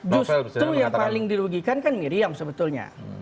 justru yang paling dirugikan kan miriam sebetulnya